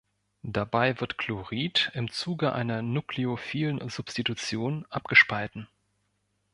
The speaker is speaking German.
Dabei wird Chlorid im Zuge einer nukleophilen Substitution abgespalten.